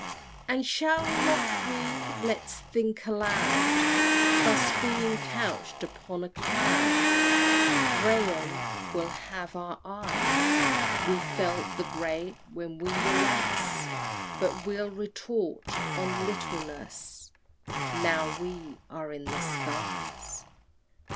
XXIII. And shall not we? Let's think aloud! Thus being couch'd upon a cloud, Graham, we'll have our eyes! We felt the great when we were less, But we'll retort on littleness Now we are in the skies.